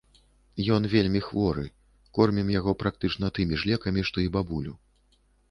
Ён вельмі хворы, кормім яго практычна тымі ж лекамі, што і бабулю.